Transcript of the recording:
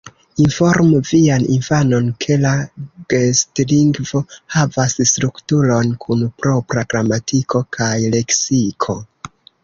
Informu vian infanon, ke la gestlingvo havas strukturon, kun propra gramatiko kaj leksiko.